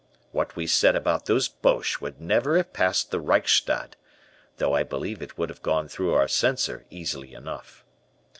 What we said about those Boches would never have passed the Reichstag, though I believe it would have gone through our Censor easily enough.